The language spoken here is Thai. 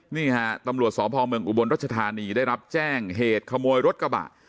นี่ฮะตำรวจสพเมืองอุบลรัชธานีได้รับแจ้งเหตุขโมยรถกระบะ